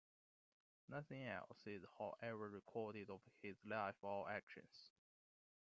Nothing else is however recorded of his life or actions.